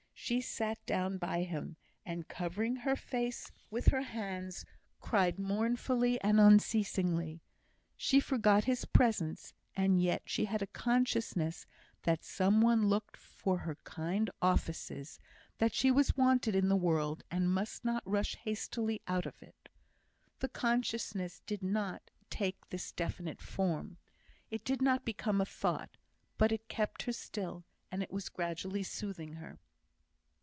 She sat down by him, and, covering her face with her hands, cried mournfully and unceasingly. She forgot his presence, and yet she had a consciousness that some one looked for her kind offices, that she was wanted in the world, and must not rush hastily out of it. The consciousness did not take this definite form, it did not become a thought, but it kept her still, and it was gradually soothing her.